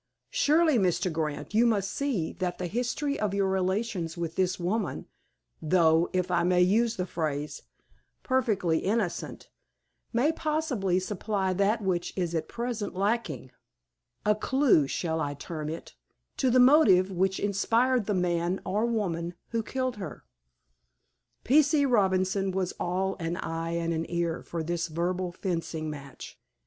Surely, Mr. Grant, you must see that the history of your relations with this lady, though, if I may use the phrase, perfectly innocent, may possibly supply that which is at present lacking—a clew, shall I term it, to the motive which inspired the man, or woman, who killed her?" P. C. Robinson was all an eye and an ear for this verbal fencing match.